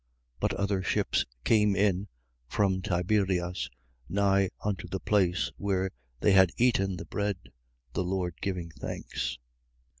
6:23. But other ships came in from Tiberias, nigh unto the place where they had eaten the bread, the Lord giving thanks.